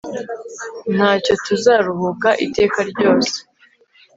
ntacyo! tuzaruhuka iteka ryose